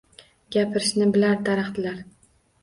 Gapirishni bilar daraxtlar.